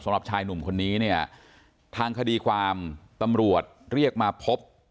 สำหรับชายหนุ่มคนนี้เนี่ยทางคดีความตำรวจเรียกมาพบ